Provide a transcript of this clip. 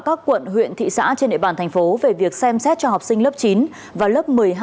các quận huyện thị xã trên địa bàn thành phố về việc xem xét cho học sinh lớp chín và lớp một mươi hai